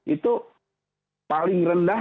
itu paling rendah